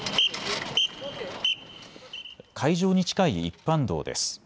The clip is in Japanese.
会場に近い一般道です。